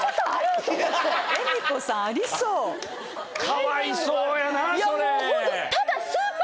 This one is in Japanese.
かわいそうやなそれ。